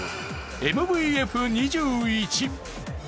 ＭＶＦ２１